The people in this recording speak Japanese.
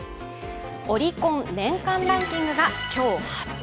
オリコン年間ランキングが今日発表。